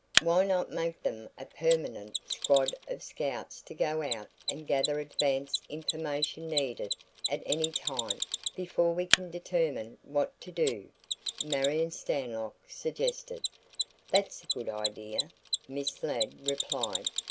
"Why not make them a permanent squad of scouts to go out and gather advance information needed at any time before we can determine what to do?" Marion Stanlock suggested. "That's a good idea," Miss Ladd replied.